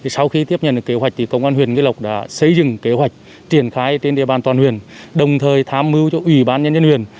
sau khi tiếp nhận kế hoạch công an huyền nguyễn lộc đã xây dựng kế hoạch triển khai trên địa bàn toàn huyền đồng thời tham mưu cho ủy ban nhân dân huyền